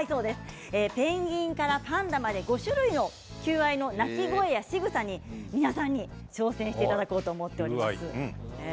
ペンギンからパンダまで５種類の求愛の鳴き声やしぐさに皆さんに、挑戦していただこうと思っております。